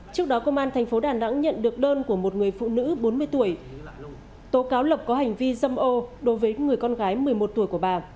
trước đó công an tp đà nẵng nhận được đơn của một người phụ nữ bốn mươi tuổi tố cáo lộc có hành vi dâm ô đối với người con gái một mươi một tuổi của bà